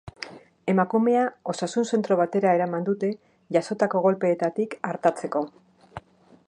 Emakumea osasun zentro batera eraman dute jasotako kolpeetatik artatzeko.